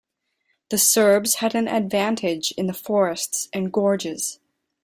The Serbs had an advantage in the forests and gorges.